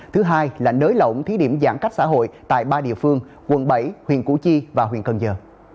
thứ hai là nới lỏng thí điểm giãn cách xã hội tại ba địa phương quận bảy huyện củ chi và huyện cần giờ